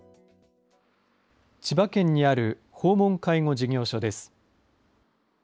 千葉県にある訪問介護事業所です。